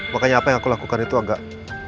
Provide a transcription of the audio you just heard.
makanya apa yang aku lakukan itu agak